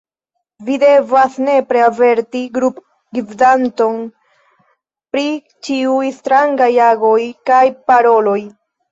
Vi devas nepre averti grupgvidanton pri ĉiuj strangaj agoj kaj paroloj.